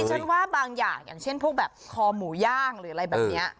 ฉันว่าบางอย่างอย่างเช่นพวกแบบคอหมูย่างหรืออะไรแบบนี้